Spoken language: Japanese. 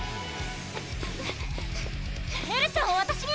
エルちゃんをわたしに！